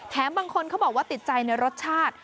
บางคนเขาบอกว่าติดใจในรสชาติ